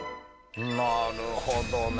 なるほどね。